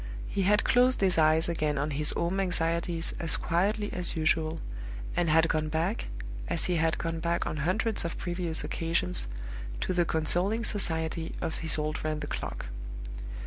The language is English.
He had closed his eyes again on his home anxieties as quietly as usual, and had gone back, as he had gone back on hundreds of previous occasions, to the consoling society of his old friend the clock.